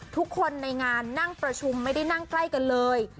ทุกคนในงานนั่งประชุมไม่ได้นั่งใกล้กันเลย